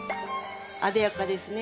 あでやかですね。